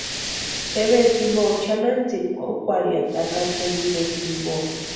Febrero jimpo chʼanantsïkua úkwarhiati Acachueni ireta jimpo.